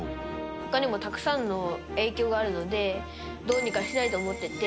ほかにもたくさんの影響があるので、どうにかしないとと思ってて。